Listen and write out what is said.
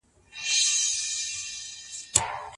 ميرمن د خاوند په مړينه څومره موده غم کولای سي؟